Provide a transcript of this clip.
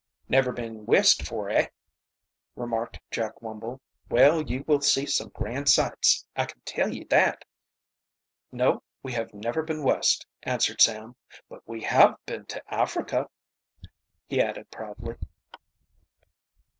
"Never been West afore eh?" remarked Jack Wumble. "Well, you will see some grand sights, I can tell ye that." "No, we have never been West," answered Sam. "But we have been to Africa," he added proudly.